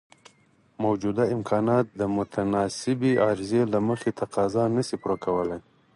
موجوده امکانات د متناسبې عرضې له مخې تقاضا نشي پوره کولای.